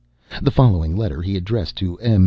The following letter he addressed to M.